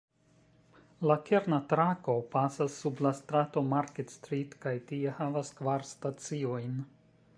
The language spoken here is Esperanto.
La kerna trako pasas sub la strato "Market Street" kaj tie havas kvar staciojn.